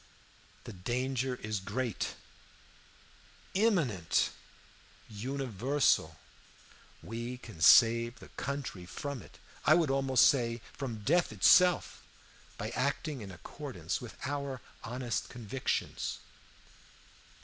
The danger is great, imminent, universal. We can save the country from it, I would almost say from, death itself, by acting in accordance with our honest convictions.